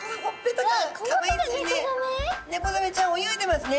ネコザメちゃん泳いでますね。